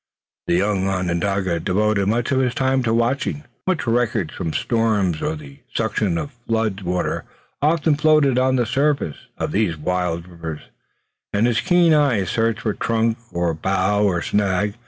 The young Onondaga devoted most of his time to watching. Much wreckage from storms or the suction of flood water often floated on the surface of these wild rivers, and his keen eyes searched for trunk or bough or snag.